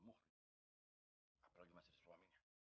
apalagi masih suaminya